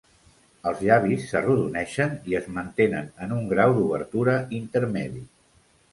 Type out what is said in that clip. Els llavis s'arrodoneixen i es mantenen en un grau d'obertura intermedi.